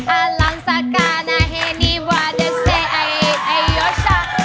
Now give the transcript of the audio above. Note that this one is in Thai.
อ่าลังสากกานอ่ะเฮนี่ว่าดิเซอินไอโยช่า